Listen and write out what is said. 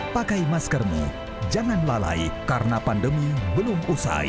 pakai masker ini jangan lalai karena pandemi belum usai